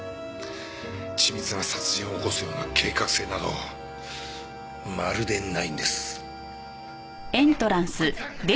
緻密な殺人を起こすような計画性などまるでないんです。